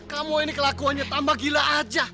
kamu ini kelakuannya tambah gila aja